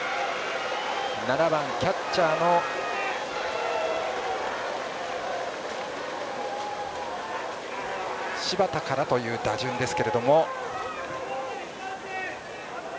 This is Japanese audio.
７番キャッチャーの柴田からという打順です。